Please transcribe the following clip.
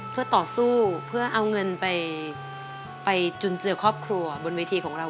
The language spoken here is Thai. เพื่อต่อสู้เพื่อเอาเงินไปจุนเจือครอบครัวบนเวทีของเรา